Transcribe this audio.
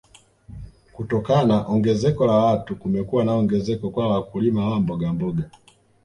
Kutokana ongezeko la watu kumekuwa na ongezeko kwa wakulima wa mbogamboga